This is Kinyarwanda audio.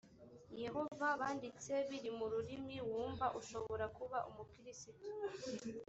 yehova banditse biri mu rurimi wumva ushobora kuba umukristu